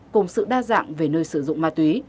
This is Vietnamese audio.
cùng sự đa dạng về nơi sử dụng ma túy